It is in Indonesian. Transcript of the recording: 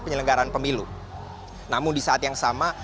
penyelenggaran pemilu namun di saat yang sama